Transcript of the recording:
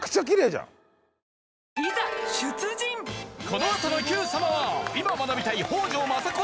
このあとの『Ｑ さま！！』は今学びたい